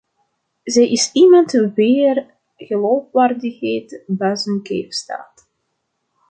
Zij is iemand wier geloofwaardigheid buiten kijf staat.